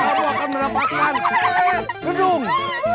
kamu akan mendapatkan gedung